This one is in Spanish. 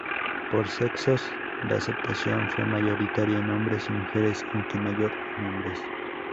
Por sexos, la aceptación fue mayoritaria en hombres y mujeres, aunque mayor en hombres.